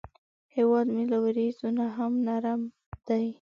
هیواد مې له وریځو نه هم نرم دی